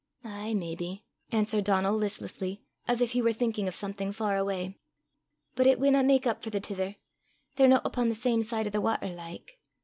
"Ay, maybe," answered Donal listlessly, as if he were thinking of something far away; "but it winna mak up for the tither; they're no upo' the same side o' the watter, like.